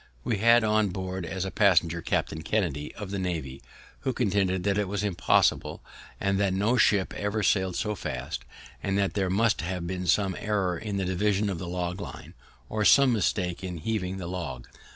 We had on board, as a passenger, Captain Kennedy, of the Navy, who contended that it was impossible, and that no ship ever sailed so fast, and that there must have been some error in the division of the log line, or some mistake in heaving the log.